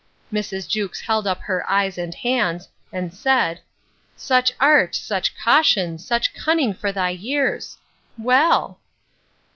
Mrs. Jewkes held up her eyes and hands, and said, Such art, such caution, such cunning, for thy years!—Well!